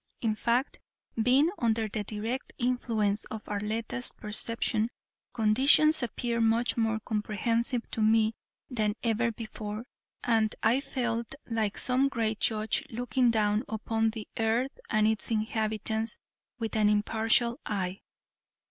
In fact, being under the direct influence of Arletta's perception, conditions appeared much more comprehensive to me than ever before and I felt like some great judge looking down upon the earth and its inhabitants with an impartial eye.